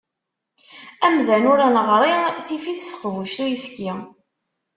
Amdan ur neɣri, tif-it teqbuct uyefki.